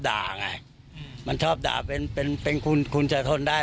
กับผมมันยังมีเลย